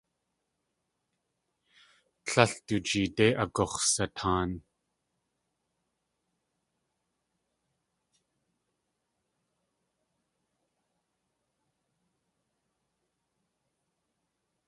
Tlél du jeedé agux̲sataan.